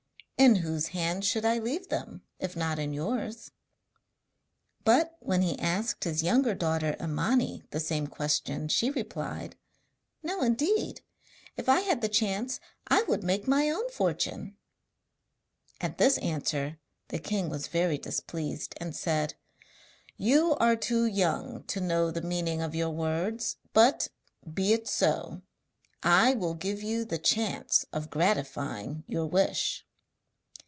'In whose hands should I leave them, if not in yours?' But when he asked his younger daughter Imani the same question, she replied: 'No, indeed! If I had the chance I would make my own fortune.' At this answer the king was very displeased, and said: 'You are too young to know the meaning of your words. But, be it so; I will give you the chance of gratifying your wish.'